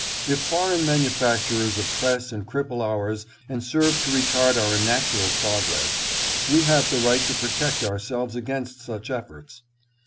If foreign manufacturers oppress and cripple ours and serve to retard our natural progress, we have the right to protect ourselves against such efforts.